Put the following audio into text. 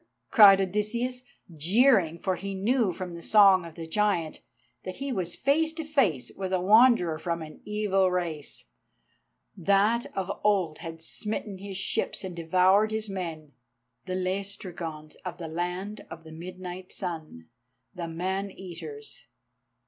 cried Odysseus, jeering, for he knew from the song of the giant that he was face to face with a wanderer from an evil race, that of old had smitten his ships and devoured his men—the Laestrygons of the land of the Midnight Sun, the Man eaters.